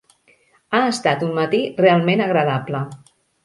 Ha estat un matí realment agradable.